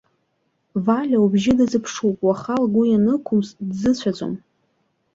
Валиа убжьы дазԥшуп, уаха лгәы ианықәымс дзыцәаӡом!